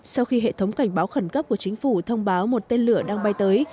sau khi hệ thống cảnh báo khẩn cấp của chính phủ thông báo một tên lửa đang bay tới